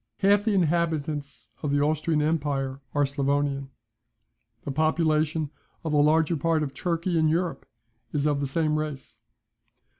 Half the inhabitants of the Austrian empire are Sclavonian. The population of the larger part of Turkey in Europe is of the same race.